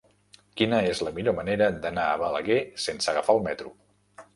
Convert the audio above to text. Quina és la millor manera d'anar a Balaguer sense agafar el metro?